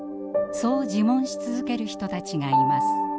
そう自問し続ける人たちがいます。